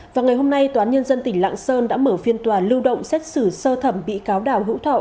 vào ngày hôm nay tòa án nhân dân tỉnh lạng sơn đã mở phiên tòa lưu động xét xử sơ thẩm bị cáo đào hữu thọ